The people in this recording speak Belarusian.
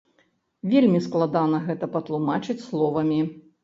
Вельмі складана гэта патлумачыць словамі.